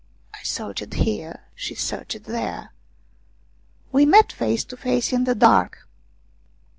I searched here, she searched there. We met face to face in the dark.